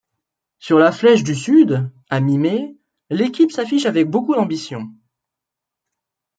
Sur la Flèche du Sud, à mi-mai, l'équipe s'affiche avec beaucoup d'ambitions.